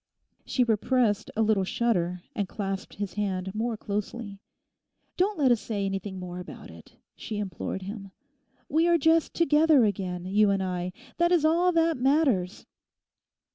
_' She repressed a little shudder, and clasped his hand more closely. 'Don't let us say anything more about it, she implored him; 'we are just together again, you and I; that is all that matters.